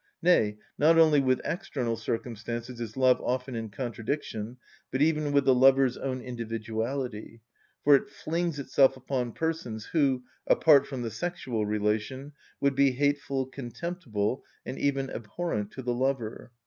Nay, not only with external circumstances is love often in contradiction, but even with the lover's own individuality, for it flings itself upon persons who, apart from the sexual relation, would be hateful, contemptible, and even abhorrent to the lover.